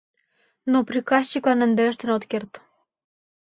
Но приказчиклан ынде ыштен от керт.